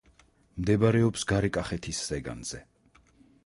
მდებარეობს გარეკახეთის ზეგანზე.